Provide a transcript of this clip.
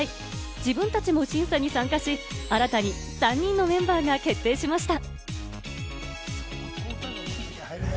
自分たちも審査に参加し、新たに３人のメンバーが決定しました。